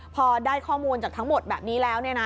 พอได้ข้อมูลจากทั้งหมดแบบนี้แล้ว